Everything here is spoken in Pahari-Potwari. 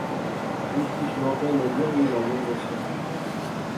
وچ وچ لوکیں نڑیاں وی لایاں نیاں سیاں